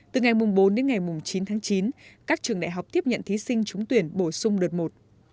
từ ngày bốn đến ngày chín tháng chín các trường đại học tiếp nhận thí sinh trúng tuyển bổ sung đợt một